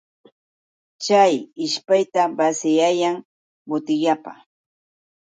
Chay ishpayta basiyayan butillapa.